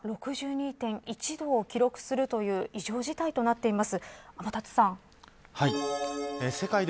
さらに、ロシアでは氷点下６２．１度を記録するという異常事態となっています。